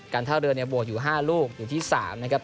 การท่าเรือบวกอยู่๕ลูกอยู่ที่๓นะครับ